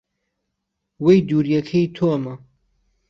وەی دوورییهکهی تۆمه